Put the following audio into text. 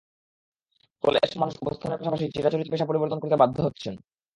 ফলে এসব মানুষ অবস্থানের পাশাপাশি চিরাচরিত পেশা পরিবর্তন করতে বাধ্য হচ্ছেন।